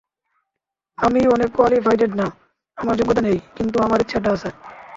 আমি অনেক কোয়ালিফায়েড না, আমার যোগ্যতা নেই, কিন্তু আমার ইচ্ছাটা আছে।